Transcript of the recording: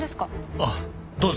あっどうぞ。